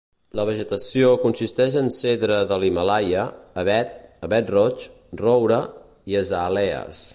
La vegetació consisteix en cedre de l'Himàlaia, avet, avet roig, roure i azalees.